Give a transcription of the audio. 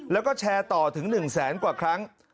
แล้วก็แชร์ต่อถึง๑แสนกว่าครั้ง